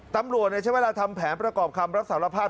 ตำรวจใช้เวลาทำแผนประกอบคำรับสารภาพ